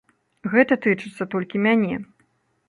Гэта тычыцца толькі мяне.